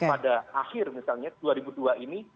pada akhir misalnya dua ribu dua ini